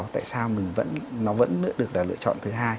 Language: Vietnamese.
tại sao mình vẫn nó vẫn được là lựa chọn thứ hai